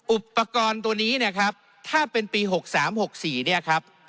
อุปกรณ์ตัวนี้นะครับถ้าเป็นปีหกสามหกสี่เนี่ยครับ